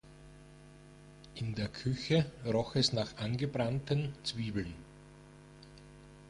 In der Küche roch es nach angebrannten Zwiebeln.